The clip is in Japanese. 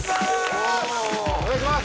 お願いします